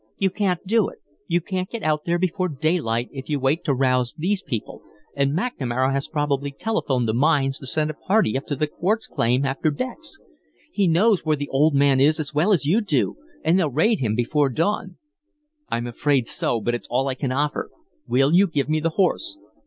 "You can't do it. You can't get out there before daylight if you wait to rouse these people, and McNamara has probably telephoned the mines to send a party up to the quartz claim after Dex. He knows where the old man is as well as you do, and they'll raid him before dawn." "I'm afraid so, but it's all I can offer. Will you give me the horse?"